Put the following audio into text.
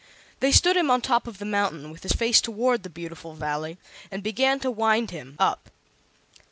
They stood him on the top of the mountain, with his face toward the Beautiful Valley, and began to wind him up.